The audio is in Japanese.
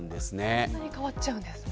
こんなに変わっちゃうんですね。